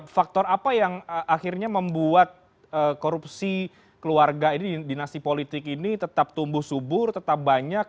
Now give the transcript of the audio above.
faktor apa yang akhirnya membuat korupsi keluarga ini dinasti politik ini tetap tumbuh subur tetap banyak